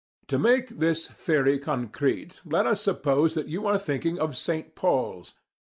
To make this theory concrete, let us suppose that you are thinking of St. Paul's.